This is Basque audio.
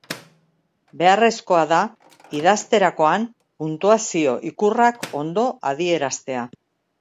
Beharrezkoa da idazterakoan puntuazio-ikurrak ondo adieraztea.